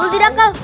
bukan tidak kal